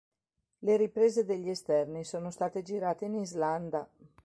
Le riprese degli esterni sono state girate in Islanda.